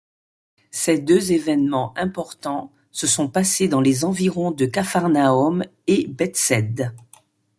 Ces deux évènements importants se sont passés dans les environs de Capharnaüm et Bethsaide.